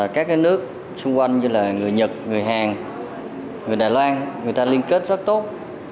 các nước xung quanh như là người nhật người hàn người đài loan người ta liên kết rất tốt